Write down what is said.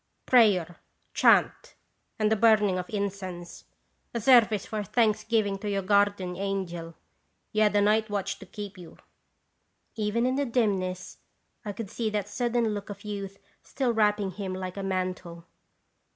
" Prayer, chant, and the burning of incense; a service of thanksgiving to your guardian angel. You had a night watch to keep you." Even in the dimness I could see that sudden look of youth still wrapping him like a mantle.